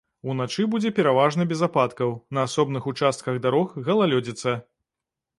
Уначы будзе пераважна без ападкаў, на асобных участках дарог галалёдзіца.